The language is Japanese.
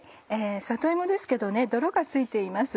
里芋ですけど泥が付いています。